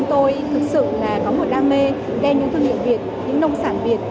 chúng tôi thực sự là có một đam mê đen những thương hiệu việt những nông sản việt